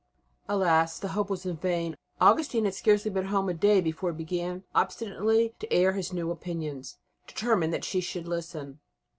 Alas! the hope was vain. Augustine had scarcely been a day at home before he began obstinately to air his new opinions, determined that she should listen.